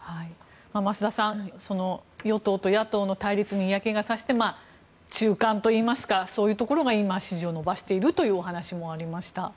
増田さん与党と野党の対立に嫌気がさして中間といいますかそういうところが支持を伸ばしているというお話もありました。